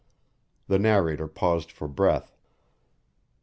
The narrator paused for breath.